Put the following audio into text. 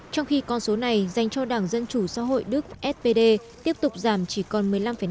trong khi con số này dành cho đảng dân chủ xã hội đức fpd tiếp tục giảm chỉ còn một mươi năm